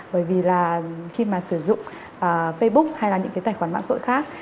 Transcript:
bởi vì khi mà sử dụng facebook hay là những tài khoản mạng xã hội khác